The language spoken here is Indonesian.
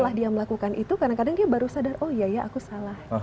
jadi dia melakukan itu kadang kadang dia baru sadar oh iya ya aku salah